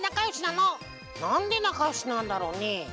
なんでなかよしなんだろうね？